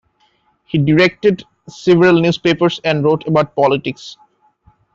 He directed several newspapers and wrote about politics.